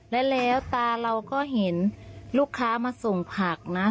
แล้วตาเราก็เห็นลูกค้ามาส่งผักนะ